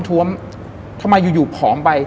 ทำไมอยู่ผอมไป